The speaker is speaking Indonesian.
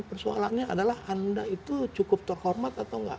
persoalannya adalah anda itu cukup terhormat atau enggak